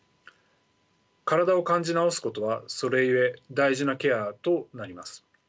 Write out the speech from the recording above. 体を感じ直すことはそれゆえ大事なケアとなります。